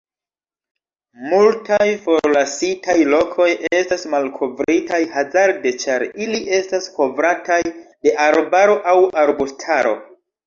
Multaj forlasitaj lokoj estas malkovritaj hazarde ĉar ili estas kovrataj de arbaro au arbustaro.